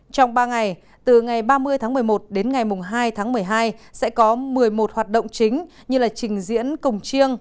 trong ba ngày từ ngày ba mươi tháng một mươi một đến ngày hai tháng một mươi hai sẽ có một mươi một hoạt động chính như trình diễn cồng chiêng